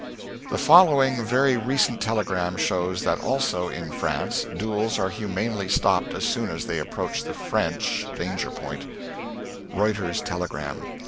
The following very recent telegram shows that also in France duels are humanely stopped as soon as they approach the (French) danger point: "_Reuter's Telegram.